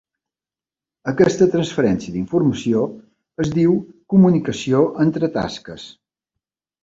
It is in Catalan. Aquesta transferència d'informació es diu comunicació entre tasques.